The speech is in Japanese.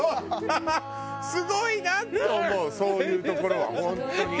すごいなと思うそういうところは本当に。